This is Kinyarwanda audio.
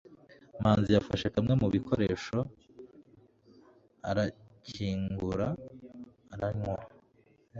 manzi yafashe kamwe mu bikoresho, arakingura, aranywa